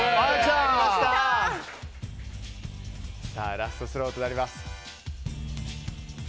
ラストスロートなります。